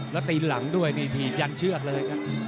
แล้วตีนหลังด้วยนี่ถีบยันเชือกเลยครับ